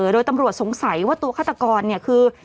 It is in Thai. โดยตำรวจสงสัยว่าตัวฆาตกรคือ